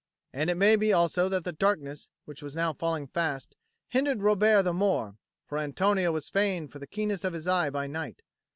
And it may be also that the darkness, which was now falling fast, hindered Robert the more, for Antonio was famed for the keenness of his eyes by night.